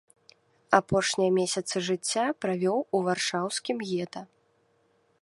Апошнія месяцы жыцця правёў у варшаўскім гета.